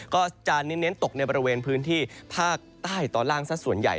ก็จะเน้นตกในบริเวณพื้นที่ภาคใต้ตอนล่างสักส่วนใหญ่